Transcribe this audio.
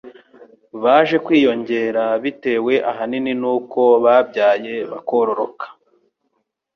baje kwiyongera bitewe ahanini n'uko babyaye bakororoka.